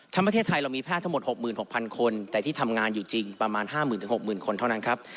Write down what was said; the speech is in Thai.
ประเทศไทยเรามีแพทย์ทั้งหมด๖๖๐๐คนแต่ที่ทำงานอยู่จริงประมาณ๕๐๐๐๖๐๐คนเท่านั้นครับ